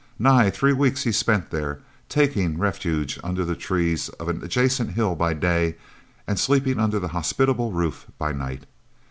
Nigh three weeks he spent there, taking refuge under the trees of an adjacent hill by day and sleeping under the hospitable roof by night.